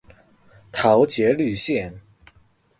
桃捷綠線